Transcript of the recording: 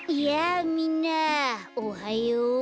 やあみんなおはよう。